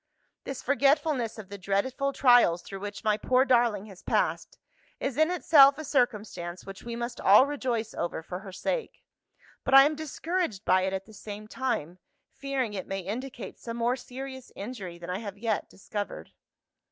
This forgetfulness of the dreadful trials through which my poor darling has passed, is, in itself, a circumstance which we must all rejoice over for her sake. But I am discouraged by it, at the same time; fearing it may indicate some more serious injury than I have yet discovered.